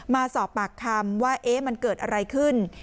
มาสอบปากคำว่ามันเกิดอะไรขึ้น